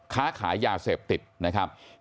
ค้าขายยาเสพติดนะครับ